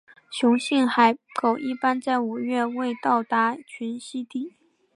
雄性海狗一般在五月末到达群栖地。